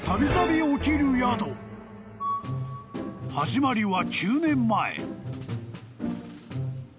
［始まりは］